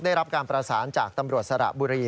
ได้รับการประสานจากตำรวจสระบุรี